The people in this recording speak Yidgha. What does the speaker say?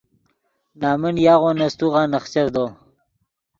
نمن یاغو نے سیتوغا نخچڤدو